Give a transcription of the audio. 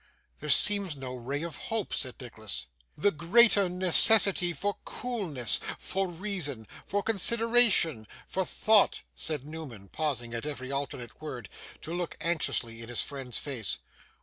'There seems no ray of hope,' said Nicholas. 'The greater necessity for coolness, for reason, for consideration, for thought,' said Newman, pausing at every alternate word, to look anxiously in his friend's face.